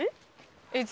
えっ？